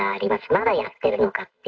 まだやってるのかって。